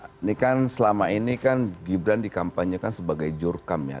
ini kan selama ini kan gibran dikampanyekan sebagai jurkam ya